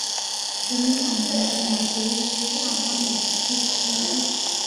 石门坎原为苗族一支大花苗的聚居地。